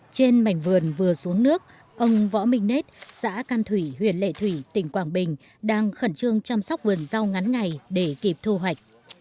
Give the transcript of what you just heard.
trên mảnh vườn vừa xuống nước ông võ minh nết xã can thủy huyện lệ thủy tỉnh quảng bình đang khẩn trương chăm sóc vườn rau ngắn ngày để kịp thu hoạch